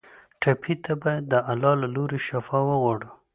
ټپي ته باید د الله له لورې شفا وغواړو.